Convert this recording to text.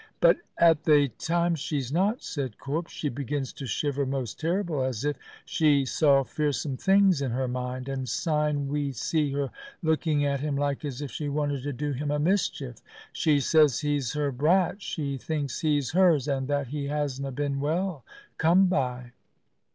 "But at thae times she's not," said Corp. "She begins to shiver most terrible, as if she saw fearsome things in her mind, and syne we see her looking at him like as if she wanted to do him a mischief. She says he's her brat; she thinks he's hers, and that he hasna been well come by."